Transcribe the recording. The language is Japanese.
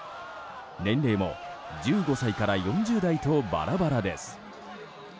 年齢も１５歳から４０代とバラバラです。